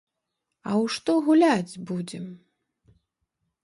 А ў што гуляць будзем?